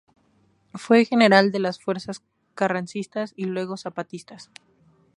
Fue general de las fuerzas carrancistas y luego zapatistas.